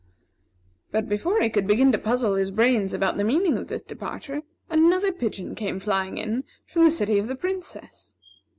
'" But before he could begin to puzzle his brains about the meaning of this departure, another pigeon came flying in from the city of the Princess.